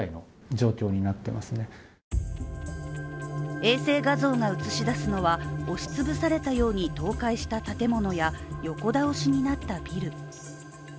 衛星画像が映し出すのは押し潰されたように倒壊された建物や横倒しになったビル。